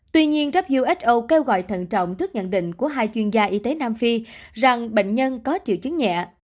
tuy nhiên who kêu gọi thận trọng trước nhận định của hai chuyên gia y tế nam phi rằng bệnh nhân có triệu chứng nhẹ